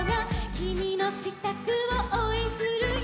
「きみのしたくをおうえんするよ」